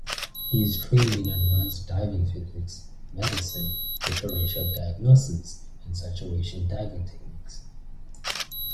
He is trained in advanced diving physics, medicine, differential diagnosis and saturation diving techniques.